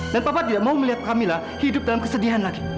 dan papa tidak mau melihat kamila hidup dalam kesedihan lagi